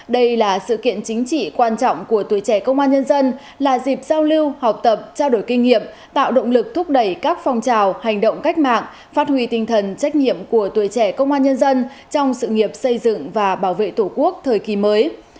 đây là sự kiện chính trị quan trọng của tuổi trẻ công an nhân dân là dịp giao lưu học tập trao đổi kinh nghiệm tạo động lực thúc đẩy các phong trào hành động cách mạng phát huy tinh thần trách nhiệm của tuổi trẻ công an nhân dân trong sự nghiệp xây dựng và bảo vệ tổ quốc thời kỳ mới